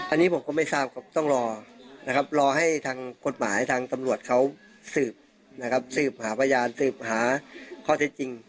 อันนี้ผมก็ไม่ทราบครับต้องรอนะครับรอให้ทางกฎหมายทางตำรวจเขาสืบนะครับสืบหาพยานสืบหาข้อเท็จจริง